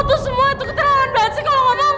lo tuh semua itu ketrauran banget sih kalo ngomong